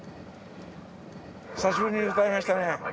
久しぶりに歌いましたね。